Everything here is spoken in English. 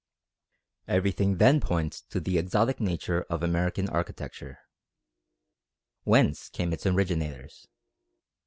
Everything then points to the exotic nature of American architecture. Whence came its originators?